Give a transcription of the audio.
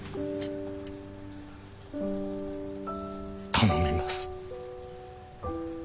頼みます。